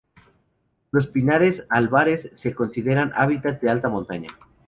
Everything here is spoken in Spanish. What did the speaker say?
Los pinares albares se consideran hábitats de alta montaña.